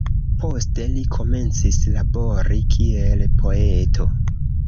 Poste, li komencis labori kiel poeto.